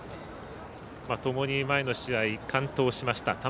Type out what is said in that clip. ともに前の試合完投しました。